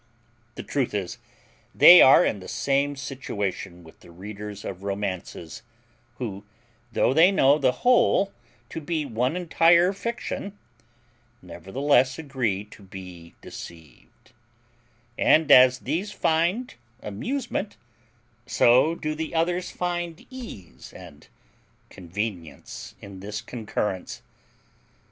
The truth is, they are in the same situation with the readers of romances; who, though they know the whole to be one entire fiction, nevertheless agree to be deceived; and, as these find amusement, so do the others find ease and convenience in this concurrence.